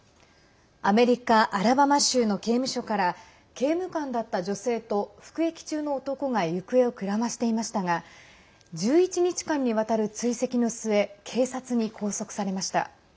アメリカ・アラバマ州の刑務所から刑務官だった女性と服役中の男が行方をくらましていましたが１１日間にわたる追跡の末警察に拘束されました。